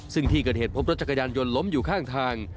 ซึ่งที่เกิดเหตุพบรถจักรยานยนต์ล้มอยู่ข้างทาง